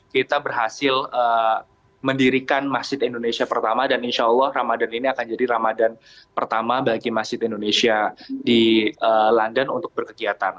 kita berhasil mendirikan masjid indonesia pertama dan insya allah ramadan ini akan jadi ramadan pertama bagi masjid indonesia di london untuk berkegiatan